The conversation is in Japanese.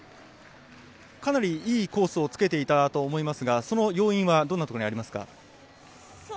かなりいいコースを突けていたと思いますがその要因はどんなところにありますか？